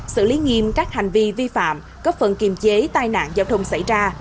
xử lý nghiêm các hành vi vi phạm góp phần kiềm chế tai nạn giao thông xảy ra